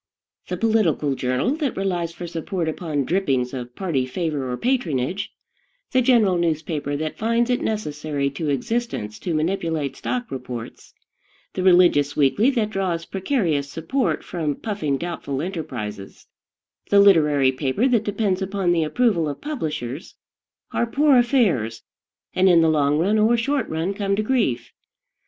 The political journal that relies for support upon drippings of party favor or patronage, the general newspaper that finds it necessary to existence to manipulate stock reports, the religious weekly that draws precarious support from puffing doubtful enterprises, the literary paper that depends upon the approval of publishers, are poor affairs, and, in the long run or short run, come to grief.